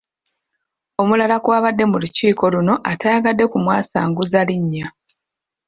Omulala ku baabadde mu lukiiko luno ataayagadde kumwasanguza linnya.